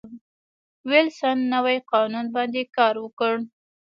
وېلسن نوي قانون باندې کار وکړ.